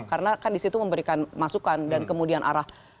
karena kan di situ memberikan masukan dan kemudian arah